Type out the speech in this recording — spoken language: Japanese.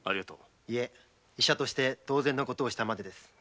医者として当然のことをしたまでです。